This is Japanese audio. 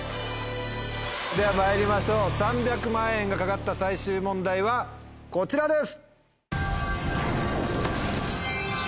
ではまいりましょう３００万円が懸かった最終問題はこちらです！